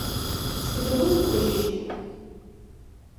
Сыдыгъо укӏожьыщт?